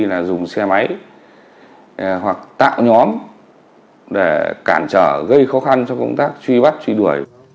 là dùng xe máy hoặc tạo nhóm để cản trở gây khó khăn cho công tác truy bắt truy đuổi